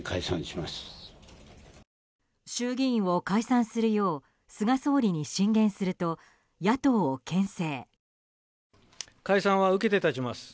衆議院を解散するよう菅総理に進言すると野党を牽制。